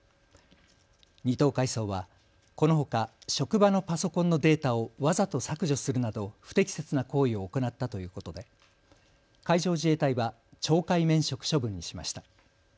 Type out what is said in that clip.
２等海曹はこのほか職場のパソコンのデータをわざと削除するなど不適切な行為を行ったということで海上自衛隊は懲戒免職処分にしました。